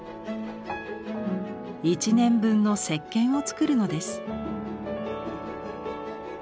１年分のせっけんを作るのです。